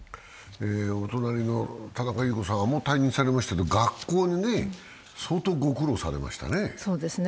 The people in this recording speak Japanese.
田中優子さんはもう退任されましたけど、学校で相当ご苦労されましたよね？